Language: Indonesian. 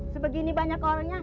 sebegini banyak orangnya